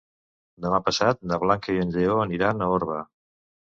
Demà passat na Blanca i en Lleó aniran a Orba.